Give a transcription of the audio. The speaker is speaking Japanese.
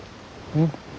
うん？